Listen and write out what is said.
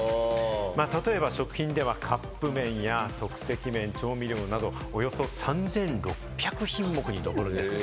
例えば食品ではカップ麺や即席麺、調味料など、およそ３６００品目にのぼるんです。